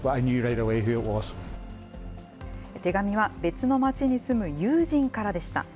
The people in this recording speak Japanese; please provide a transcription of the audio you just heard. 手紙は別の町に住む友人からでした。